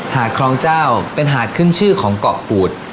คลองเจ้าเป็นหาดขึ้นชื่อของเกาะกูด